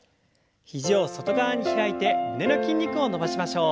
肘を外側に開いて胸の筋肉を伸ばしましょう。